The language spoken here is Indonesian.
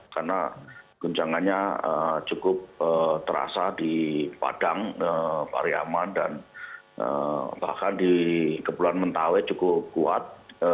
karena kencangannya cukup terasa di padang pariama dan bahkan di kepulauan mentawai cukup kuat